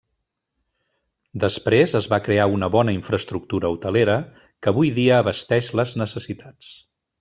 Després es va crear una bona infraestructura hotelera que avui dia abasteix les necessitats.